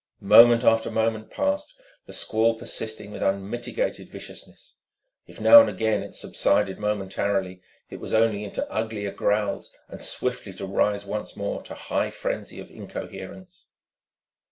Moment after moment passed, the squall persisting with unmitigated viciousness. If now and again it subsided momentarily, it was only into uglier growls and swiftly to rise once more to high frenzy of incoherence.